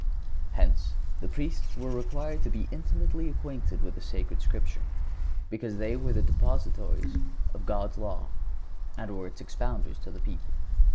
Hence, the Priests were required to be intimately acquainted with the Sacred Scripture, because they were the depositaries of God's law, and were its expounders to the people.